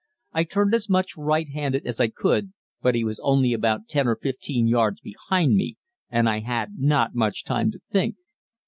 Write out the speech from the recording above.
I turned as much right handed as I could, but he was only about 10 or 15 yards behind me, and I had not much time to think.